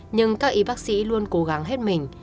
nhưng các y bác sĩ luôn cố gắng hết mình